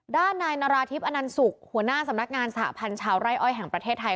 ด้านนายนาราธิบอลันสุกหัวหน้าสำนักงานสหพันธ์ชาวไร่อ้อยแห่งประเทศไทย